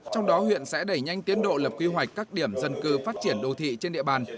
trong đó huyện sẽ đẩy nhanh tiến độ lập quy hoạch các điểm dân cư phát triển đô thị trên địa bàn